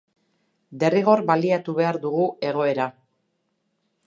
Derrigor baliatu behar dugu egoera.